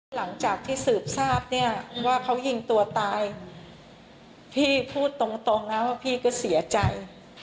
หลังจากที่สืบทราบเนี่ยว่าเขายิงตัวตายพี่พูดตรงตรงนะว่าพี่ก็เสียใจ